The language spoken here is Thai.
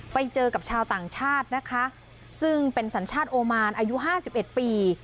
ไปเจอกับชาวต่างชาตินะคะซึ่งเป็นสัญชาติโอมานอายุห้าสิบเอ็ดปี